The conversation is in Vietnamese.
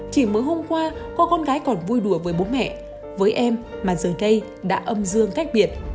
chỉ mới hôm qua có con gái còn vui đùa với bố mẹ với em mà giờ đây đã âm dương cách biệt